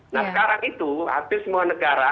nah sekarang itu hampir semua negara